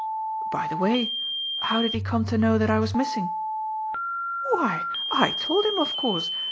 "By the way, how did he come to know that I was missing?" "Why I told him, of course.